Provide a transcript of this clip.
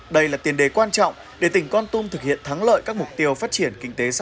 đây là tiền đề quan trọng để tỉnh con tum thực hiện thắng lợi các mục tiêu phát triển kinh tế xã hội đã đề ra